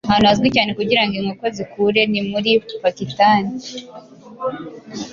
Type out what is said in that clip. Ahantu hazwi cyane kugirango inkoko zikure ni muri Pakiitani